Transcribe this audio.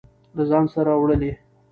له ځان سره وړلې.